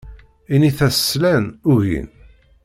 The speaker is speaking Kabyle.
Init-as slan, ugin.